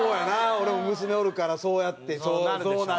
俺も娘おるからそうやってそうなるな。